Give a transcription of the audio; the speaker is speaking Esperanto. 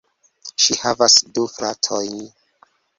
Ŝi havas du fratojn.